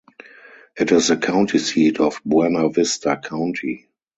It is the county seat of Buena Vista County.